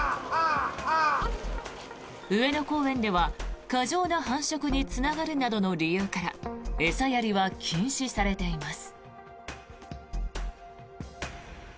上野公園では過剰な繁殖につながるなどの理由から餌やりは禁止されています。